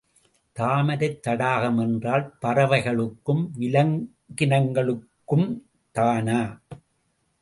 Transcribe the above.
தாமரைத் தடாகம் என்றால் பறவைகளுக்கும் விலங்கினங்களுக்கும்தானா?